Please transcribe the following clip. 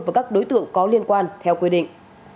và các đối tượng có liên quan theo quy định